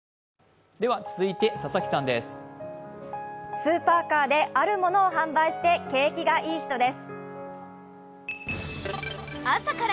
スーパーカーであるものを販売して、景気がイイ人です。